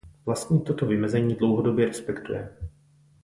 Vlastník toto vymezení dlouhodobě respektuje.